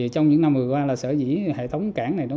trong những năm vừa qua là sở dĩ hệ thống cảng này